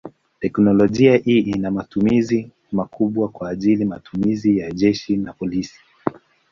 Teknolojia hii ina matumizi makubwa kwa ajili matumizi ya jeshi na polisi.